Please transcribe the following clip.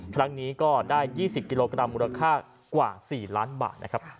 ครั้งนี้ก็ได้๒๐กิโลกรัมมูลค่ากว่า๔ล้านบาทนะครับ